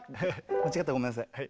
間違ったらごめんなさい。